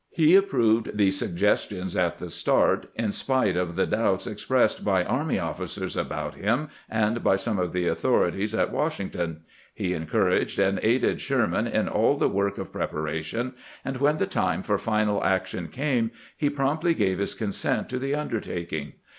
He approved the suggestions at the start, in spite of the doubts expressed by army officers about him and by some of the authorities at Washing ton ; he encouraged and aided Sherman in all the work of preparation ; and when the time for final action came he promptly gave his consent to the undertaking.